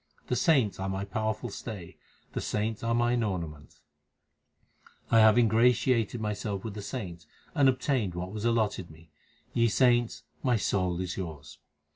The saints are my powerful stay ; the saints are mine ornaments. I have ingratiated myself with the saints, And obtained what was allotted me. Ye saints, my soul is yours.